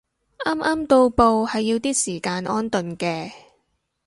啱啱到埗係要啲時間安頓嘅